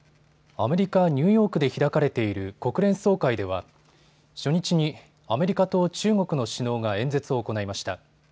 アメリカ・ニューヨークで開かれている国連総会では初日にアメリカと中国の首脳が演説を行いました。